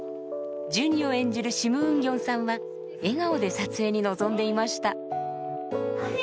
ジュニを演じるシム・ウンギョンさんは笑顔で撮影に臨んでいました